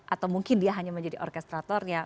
atau mungkin dia hanya menjadi orkestratornya